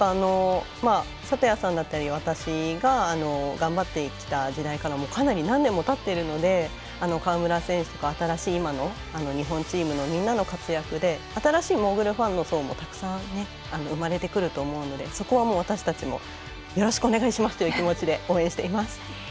里谷さんだったり私が頑張ってきた時代からもかなり何年もたっているので川村選手とか新しい今の日本チームのみんなの活躍で新しいモーグルファンの層もたくさん生まれてくると思うので、そこは私たちもよろしくお願いしますという気持ちで応援しています。